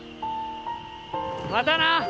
またな！